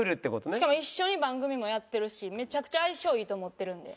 しかも一緒に番組もやってるしめちゃくちゃ相性いいと思ってるんで。